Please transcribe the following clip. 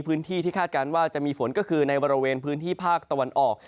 พื้นที่ที่คาดการณ์ว่าจะมีฝนก็คือในบริเวณพื้นที่ภาคตะวันออก